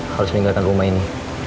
harus meninggalkan rumah ini